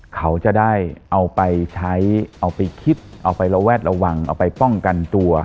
เขาจะได้เอาไปใช้เอาไปคิดเอาไประแวดระวังเอาไปป้องกันตัว